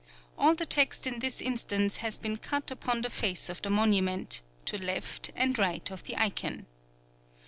All the text in this instance has been cut upon the face of the monument, to left and right of the icon.